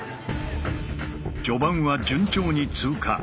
序盤は順調に通過。